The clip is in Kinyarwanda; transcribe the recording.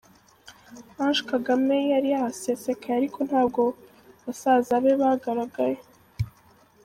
Ange Kagame yari yahasesekaye ariko ntabwo basaza be bagaragaye!